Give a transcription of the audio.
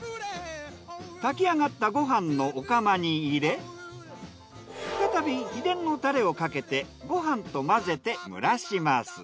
炊き上がったご飯のお釜に入れ再び秘伝のタレをかけてご飯と混ぜて蒸らします。